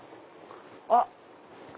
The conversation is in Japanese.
あっ！